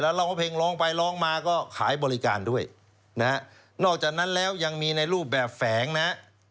ร้องเพลงร้องไปร้องมาก็ขายบริการด้วยนะฮะนอกจากนั้นแล้วยังมีในรูปแบบแฝงนะฮะ